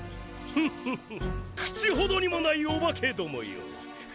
フフフ口ほどにもないオバケどもよ。